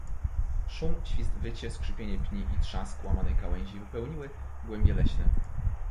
"Szum, świst, wycie, skrzypienie pni i trzask łamanych gałęzi wypełniły głębie leśne."